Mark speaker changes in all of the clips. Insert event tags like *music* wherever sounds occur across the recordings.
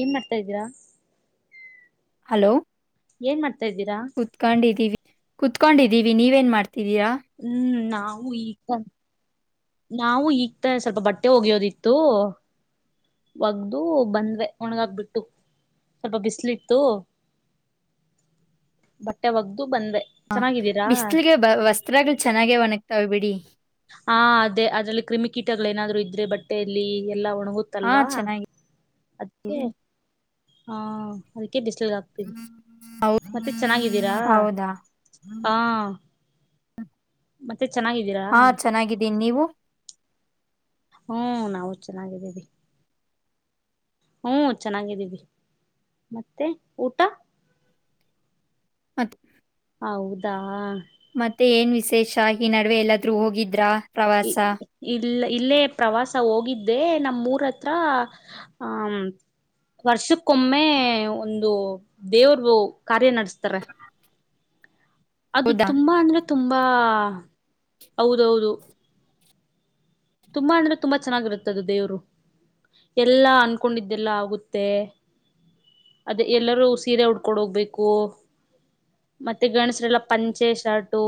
Speaker 1: ಏನ್ ಮಾಡ್ತಾ್ದೀರಾ
Speaker 2: ಹಲೋ
Speaker 1: ಏನ್ ಮಾಡ್ತಾ್ದೀರಾ
Speaker 2: ಕುತ್ಕೊಂಡಿದ್ದೀವಿ ಕುತ್ಕೊಂಡಿದ್ದೀವಿ ನೀವೇನ್ ಮಾಡ್ತೀಿ ತಿರರ
Speaker 1: ಹ್ಮ್ ನಾವು ಈಗ ತಾ ನಾವು ಈಗ ತ ಸ್ವಲ್ಪ ಬಟ್ಟೆ ಒಗೆಿಯೋದಿತ್ತು ಒಗ್ಡು ಬಂದ್ವೆ ಒಣಗಾಕ್ಬ ಬಿಟ್ಟು ಸ್ವಲ್ಪ ಬಿಸಿಲಿತ್ತು ಬಟ್ಟೆ ಒಗ್್ದ
Speaker 2: ಹ ಬಿಸ್ಲಿಗೆ ಬ ವಸ್ತ್ರಗಳ್ ಚೆನ್ನಾಗೇ ಒಣಗ್ತವ್ ಬಿಡಿ.
Speaker 1: ಹಾ ಅದೇ ಅದ್ರಲ್ಲಿ ಕ್ರಿಮಿಕೀಟಗಳು ಏನಾದ್ರು ಇದ್ರೆ ಬಟ್ಟೆಲ್ಲಿ ಎಲ್ಲಾ ಹೊ
Speaker 2: ಹಾ
Speaker 1: ನೊಗುತಲ್ವಾ
Speaker 2: ಚೆನ್ನಾಗಿದ್ದೀನಿ
Speaker 1: ಅದ್ಕೆ. ಹಾ ಅದ ಕೆ ಬಿಸ್ಲುಗ್ ಹಾಕ್ತನಿ
Speaker 2: ಹೌದ್
Speaker 1: ಮತ್ತೆ ಚೆನ್ನಾಗಿದ್ದೀರಾ
Speaker 2: ಹೌದಾ
Speaker 1: ಹ.
Speaker 2: ಹಾ ಚೆನ್ನಾಗಿದ್ದೀನ್ ನೀವು.
Speaker 1: ಹು ನಾವು ಚೆನ್ನಾಗಿದ್ದೀವಿ. ಹು ಚೆನ್ನಾಗಿದಿವಿ ಮತ್ತೆ ಊಟ.
Speaker 2: ಮತ್
Speaker 1: ಹೌದಾ
Speaker 2: ಮತ್ತೆ ಏನ್ ವಿಶೇಷ ಈ ನಡ್ವೆ ಎಲ್ಲಾದ್ರು ಹೋಗಿದ್ರಾ.
Speaker 1: ಇ
Speaker 2: ಪ್ರವಾಸ
Speaker 1: ಇಲ್ಲ. ಇಲ್ಲೇ ಪ್ರವಾಸ ಹೋಗಿದ್ದೆ ನಮ್ಮೂರ ಹತ್ರ ಆ ವರ್ಷಕ್ಕೊಮ್ಮೆ ಒಂದು ದೇವರು ಕಾರ್ಯ ನೆಡುಸ್ತಾರೆ. ಅದು
Speaker 2: ಹೌದಾ
Speaker 1: ತುಂಬಾ ಅಂದ್ರೆ ತುಂಬಾ ಹೌದೌದು ತುಂಬಾ ಅಂದ್ರೆ ತುಂಬಾ ಚೆನ್ನಾಗಿರುತ್ತೆದು ದೇವ್ರು ಎಲ್ಲಾ ಅನ್ಕೊಂಡಿದ್ದೆಲ್ಲ ಆಗುತ್ತೆ ಅದ ಎಲ್ಲರೂ ಸೀರೆ ಉಡ್ಕೊಂಡ ಹೋಗ್ಬೇಕು ಮತ್ತೆ ಗಣಸರೆಲ್ಲ ಪಂಚೆ ಶಾರಟು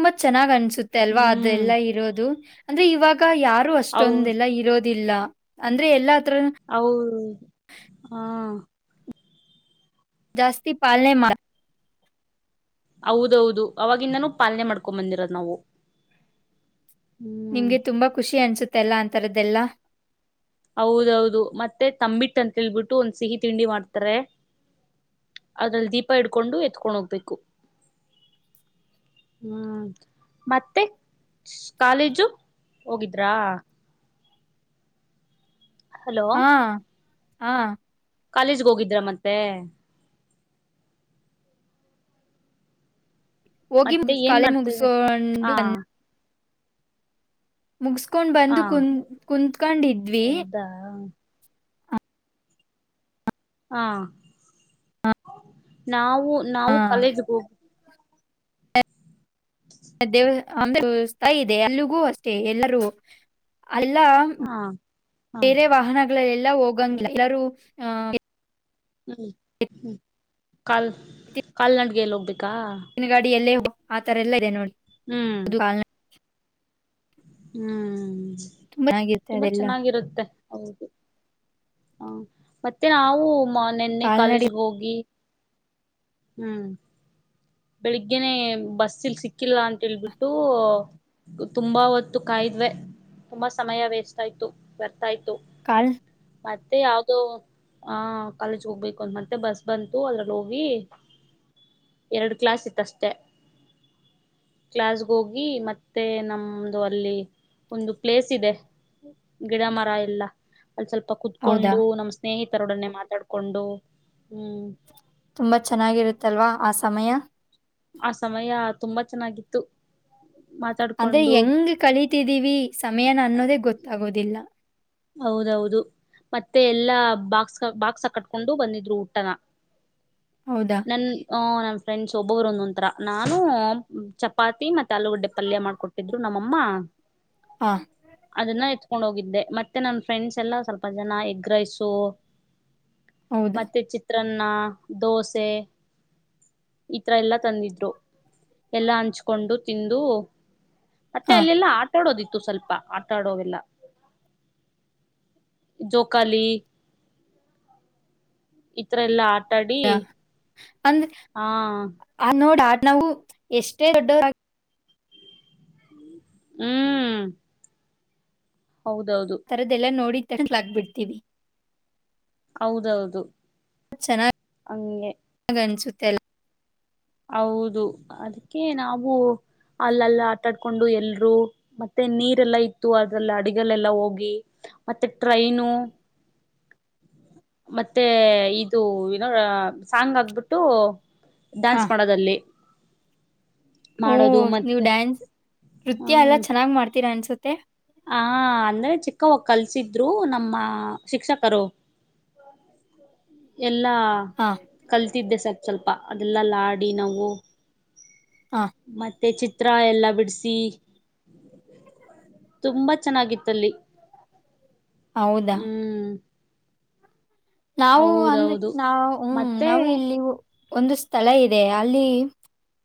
Speaker 2: ತುಂಬ ಚೆನ್ನ್ನ್ ಸುತ್ತ ಅಲ್ವಾ ಅದೆಲ್ಲ ಇರೋದು ಅಂದ್ರೆ ಇವಾಗ ಅಕ್ಕ ಯಾರು
Speaker 1: ಅವ್
Speaker 2: ಅಷ್ಟೊಂದೆಲ್ಲ ಇರೋದಿಲ್ಲ ಅಂದ್ರೆ ಎಲ್ಲಾ
Speaker 1: ಹೌ ಹಾ
Speaker 2: ಜಾಸ್ತಿ ಪಾಲನೆ ಮಾಡಾರ್
Speaker 1: ಹೌದೌದು ಅವಾಗಿಂದನೂ ಪಾಲನೆ ಮಾಡ್ಕೊ ಬಂದಿರೋದ ನಾವು
Speaker 2: ನಿಮ್ಗೆ ತುಂಬಾ ಖುಷಿ ಅನ್ಸುತ್ತೆಲ್ಲ ಅಂತ ಥರದ್ದೆಲ್ಲ
Speaker 1: ಹೌದೌದು ಮತ್ತೆ ತಂಬಿಟ್ಟ ಅಂತೇಳ್ಬಿಟ್ಟು ಒಂದ್ ಸಿಹಿ ತಿಂಡಿ ಮಾಡ್ತಾರೆ ಅದ್ರಲ್ಲಿ ದೀಪ ಹಿಡ್ಕೊಂಡು ಎತ್ಕೊಂಡ್ ಹೋಗ್ಬೇಕು ಹ್ಮ್ ಮತ್ತೆ ಕಾಲೇಜು ಹೋಗಿದ್ರಾ ಹಲೋ
Speaker 2: ಹಾ ಹಾ
Speaker 1: ಕಾಲೇಜ್ಗೆ ಹೋಗಿದ್ರ ಮತ್ತೆ
Speaker 2: ಹೋಗಿ
Speaker 1: ಮತ್ತೆ
Speaker 2: ಮುಗ
Speaker 1: ಏನ್
Speaker 2: ಕಳೆ
Speaker 1: ಮಾಡ್ತಿದ ಹಾ
Speaker 2: ಮುಗಿಸೊಂಡು ಮುಗಸ್ಕೊಂಡ್
Speaker 1: ಹಾ
Speaker 2: ಬಂದು ಕುಂ ಕುತ್ಕೊಂಡಿದ್ವಿ
Speaker 1: ಹೌದಾ ಹಾ ನಾವು
Speaker 2: ಆ
Speaker 1: ನಾವು ಕಾಲೇಜಗೆ ಹೋಗುದು
Speaker 2: ದೇವ್ ಅಮ ಸ್ಥಾಯಿ ಇದೆ ಎಲ್ಲಿಗೂ ಅಷ್ಟೇ ಎಲ್ಲರೂ ಅಲ್ಲ
Speaker 1: ಹಾ ಹಾ
Speaker 2: ಬೇರೆ ವಾಹನಗಳಲ್ಲೆಲ್ಲಾ ಹೋಗಂಗ್ಿಲ್ಲ ಎೂ ಹ
Speaker 1: ಹ್ಮ ಹ್ಮ ಕಲ್ ಕ ನಂಡ ಗ ಲೋಗ ಬಿ
Speaker 2: ಿನ ಗಾಡಿ ಎಲ್ಲೇ ಹೋಗ ಆ ತರ ಎಲ್ಲ ಇದೆ ನೋಡಿ
Speaker 1: ಹ್ಮ್
Speaker 2: ಅದು ಕಾಲ್ನಡ
Speaker 1: ಹ್ಮ್
Speaker 2: ತುಂಬಾ ಚೆನ್ನಾಗಿರುತ್ತೆ
Speaker 1: ತುಂಬಾ
Speaker 2: ಅದೆಲ್ಲ
Speaker 1: ಚೆನ್ನಾಗಿರುತ್ತೆ ಹೌದು, ಹ, ಮತ್ತೆ ನಾವು? *inaudible* ನೆನೈ,
Speaker 2: ಕಾಲ್ನಡಿ
Speaker 1: ಕಾಲೇಜಗೋಗಿ? *inaudible* ಹ್ಮ್, ಬೆಳಿಗ್ಗೆನೆೇ ಬಸ್ಲ್ ಸಿಕ್ಕಿಲ್ಲ. ಅಂತೇಳ್ಬಿಟ್ಟು ತುಂಬಾ ಹೊತ್ತು?. *unintelligible* ಇವಾತು, ಕಾಯಿದ್ವೆ ತುಂಬಾ ಸಮಯ ವೇಸ್ಟ್ ಆಯ್ತು. ಬರ್ತಾಾಯ್ತು? *inaudible*
Speaker 2: ಕಲ್. *inaudible*
Speaker 1: ಮತ್ತೆ ಯಾವದೋ? ಆ ಕಾಲೇಜ ಹೋಗ್ಬೇಕು ಅ ಮತ್ತೆ ಬಸ್ ಬಂತು. ಅದ್ರಲ್ಲಿ ಹೋಗಿ ಎರಡು, ಕ್ಲಾಸ್, ಇತ್ತ ಅಷ್ಟೆ ಕ್ಲಾಸ್ ಹೋಗಿ ಮತ್ತೆ ನಮ?. *unintelligible* ಅದು ಅಲ್ಲಿ ಒಂದು ಪ್ಲೇಸ್ ಇದೆ ಗಿಡ ಮರ ಎಲ್ಲ. ಅಲ್ಲಿ ಸ್ವಲ್ಪ
Speaker 2: ಹೌದಾ
Speaker 1: ಕುತ್ಕೊಂಡು ನಮ್ಮ್ ಸ್ನೇಹಿತ್ ತರೊಡನೆ ಮಾತಾಡ್ಕೊಂಡು. ಹ್ಮ್
Speaker 2: ತುಂಬಾ ಚೆನ್ನಾಗಿರುತ್ತಲ್ವಾ. ಆ, ಸಮಯ
Speaker 1: ಆ, ಸಮಯ ತುಂಬಾ ಚೆನ್ನಾಗಿತ್ತ
Speaker 2: ಅಂದ್ರೆ, ಹೆಂಗ್ ಕಲೀಿತಿದ್ದೀವಿ ಸಮಯನ ಅನ್ನೋದೆ ಗೊತ್ತಗೋದಿಲ್ಲ
Speaker 1: ಹೌದೌದು ಮತ್ತೆ ಎಲ್ಲಾ ಬಾಕ್ಸ್ ಬಾಕ್ಸ್ ಕಟ್ಕೊಂಡು ಬಂದಿದ್ರು ಊಟನ
Speaker 2: ಹೌದಾ
Speaker 1: ನನ್ *unintelligible* ಫ್ರೆಂಡ್ಸ್ ಒಬ್ಬೊಬ್ರು, ಒಂದೊಂಥರ ನಾನು ಚಪಾತಿ ಮತ್ತು ಆಲೂಗಡ್ಡೆ, ಪಲ್ಯ, ಮಾಡ್ಕೊಟ್ಟಿದ್ರು. ನಮ್ಮಮ್ಮ
Speaker 2: ಹಾ
Speaker 1: ಅದನ್ನ ಎತ್ತುಕೊಂಡು ಹಕೊಂಡ, ಹೋಗಿದ್ದೆ ಮತ್ತೆ ಮತ್ತೆ, ನನ್ ಫ್ರೆಂಡ್ಸ್ ಎಲ್ಲ ಸ್ವಲ್ಪ ಜನ ಎಗ್ ರೈಸು
Speaker 2: ಹೌದಾ
Speaker 1: ಮತ್ತೆ, ಚಿತ್ರ ಚಿತ್ರಣ, ದೋಸೆ, ಈತರ ಎಲ್ಲ ತಂದಿದ್ರು ಎಲ್ಲ ಹಂಚ್ಕೊಂಡು ತಿಂದು ಮತ್ತೆ,
Speaker 2: ಹಾ
Speaker 1: ಅಲ್ಲೆಲ್ಲಾ. ಆಟಾಡೋದಿತ್ತು ಆತ್ತು, ಸ್ವಲ್ಪ, ಆಟಾಡೋವೆಲ್ಲ ಜೋಕಾಲಿ ಇತ್ರ, ಎಲ್ಲಾ ಅತ
Speaker 2: ಅದ, ಅಂದ್ರೆ. ನೋಡ ಆ ನಾವು, ಎಷ್ಟೇ. ದೊಡ್ಡ
Speaker 1: ಹ್ಮ್. ಹೌದೌದು
Speaker 2: ತರದೆಲ್ಲಾ ನೋಡಿ. ತೆಡದ್ ಲಾಗ್ಬುಡ್ತಿವಿ.
Speaker 1: ಹೌದೌದು ಹಂಗೆ.
Speaker 2: ತೆಲ್.
Speaker 1: ಹೌದು ಅದಕ್ಕೆ ನಾವು ಅಲ್ಲೆಲ್ಲ ಆಟ ಆಡ್ಕೊಂಡು ಎಲ್ರು ಮತ್ತೆ ನೀರೆಲ್ಲಾ ಇತ್ತು ಅದ್ರಲ್ ಅಡಗಲ್ಲೆಲ್ಲ ಹೋಗಿ ಮತ್ತೆ ಟ್ರೈನು ಮತ್ತೆ ಇದು ಏನೋ ಸಾಂಗ್ ಆಕ್ಬುಟ್ಟು.
Speaker 2: ಹ
Speaker 1: ಡಾನ್ಸ್ ಎ
Speaker 2: ಓ ನೀವ್ ಡ್ಯಾನ್ಸ್ ನೃತ್ಯ ಎಲ್ಲ ಚೆನ್ನಾಗ್ ಮಾಡ್ತೀರ ಅನ್ಸು ಸತೆ
Speaker 1: ಹ ಅಂದ್ರೆ ಚಿಕ್ಕ ವಾಕ್ ಕಲ್ಸಿದ್ರು ನಮ್ಮ ಶಿಕ್ಷಕರು ಯ ಎಲ್ಲ
Speaker 2: ಹಾ
Speaker 1: ಕಲ್ತಿದ್ದೆ ಸ್ವ ಸ್ವಲ್ಪ ಅದೆಲ್ಲ ಆಡಿ ನಾವು.
Speaker 2: ಹಾ
Speaker 1: ಮತ್ತೆ ಚಿ ತ್ರ ಎಲ್ಲಾ ಬಿಡ್ಸಿ ತುಂಬಾ ಚೆನ್ನಾಗಿತ್ ಅಲ್ಲಿ.
Speaker 2: ಹೌದಾ ನಾವು ಅಂದ್ರೆ
Speaker 1: ಹೌದೌದು
Speaker 2: ನಾ ಹ್ಮ್
Speaker 1: ಮತ್ತೆ
Speaker 2: ನಾವು ಇಲ್ಲಿ ಒಂದು ಸ್ಥಳ ಇದೆ ಅಲ್ಲಿ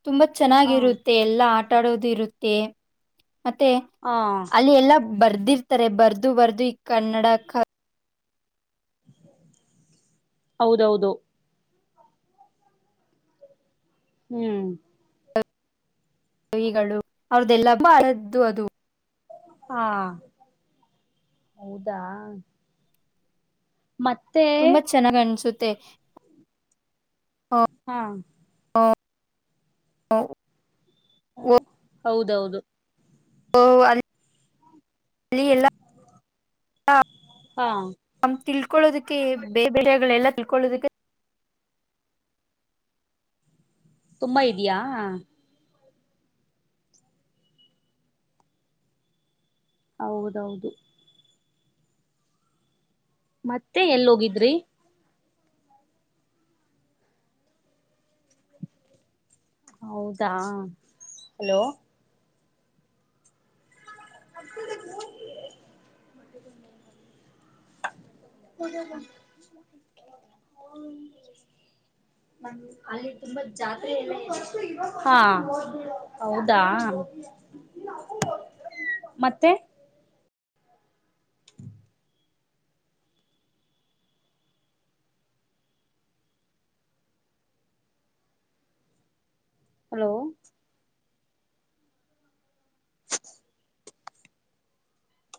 Speaker 2: ತುಂಬಾ
Speaker 1: ಹ
Speaker 2: ಚೆನ್ನಾಗಿರುತ್ತೆ ಎಲ್ಲಾ ಆಟ ಆಡೋದು ಇರುತ್ತ ತ ಮತ್ತೆ
Speaker 1: ಹ
Speaker 2: ಅಲ್ಲಿ ಎಲ್ಲ ಬರ್ದಿರ್ತಾರೆ ಬರ್ದು ಬರ್ದು ಈ ಕನ್ನಡ ಕ
Speaker 1: ಹೌದೌದು ಹ್ಮ್
Speaker 2: ಹಿಗಳು ಅವ್ರದ್ದಲ್ಲ್ದು ಅದು
Speaker 1: ಹಾ ಹೌದಾ ಮತ್ತೆ
Speaker 2: ತುಂಬಾ ಚೆನ್ನಾಗ್ ಅನ್ಸುತ್ತೆ ತ್ತ
Speaker 1: ಹಾ
Speaker 2: ಹ
Speaker 1: ಹೌದೌದು
Speaker 2: ಓ ಅಲ್ಲಿ ಅಲ್ಲಿ ಎಲ್ಲ
Speaker 1: ಹಾ
Speaker 2: ತಿಳ್ಕೊೊಳ್ಳೋದಕ್ಕೆ ಬೇರೆ ಬೇರೆೆಲ್ಲ ತಿಳ್ಕೊೊಳ್ಳೋದಕ್ಕೆ
Speaker 1: ತುಂಬಾ ಇದ್ಯಾಾ ಹೌದೌದು ಮತ್ತೆ ಎಲ್ಲೋಗಿದ್ರಿ ಹೌದಾ ಹಲೋ ಅ ಹಾ ಹೌದಾ ಮತ್ತೆ ಹಲೋ *inaudible*